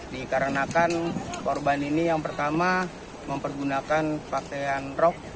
dikarenakan korban ini yang pertama mempergunakan pakaian rok